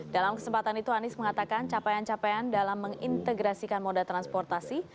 dalam kesempatan itu anies mengatakan capaian capaian dalam mengintegrasikan moda transportasi